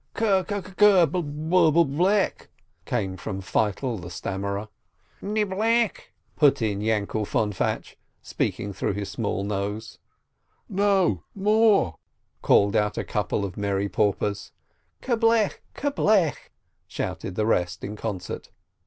"K ke kkerb kkerb lech !!" came from Feitel the Stam merer. "Nienblech !" put in Yainkel Fonfatch, speaking through his small nose. "No, more !" called out a couple of merry paupers. "Kerblech, kerblech !" shouted the rest in concert.